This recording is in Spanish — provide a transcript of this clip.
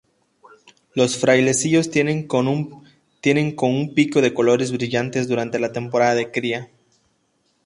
Los frailecillos tienen con un pico de colores brillantes durante la temporada de cría.